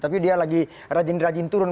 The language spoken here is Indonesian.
tapi dia lagi rajin rajin turun